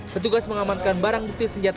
petugas mengamankan barang bukti senjata